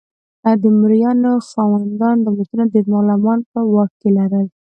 د مرئیانو خاوندان دولتونه ډیر غلامان په واک کې لرل.